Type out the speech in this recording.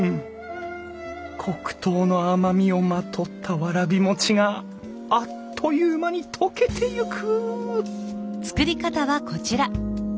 黒糖の甘みをまとったわらび餅があっという間に溶けていく！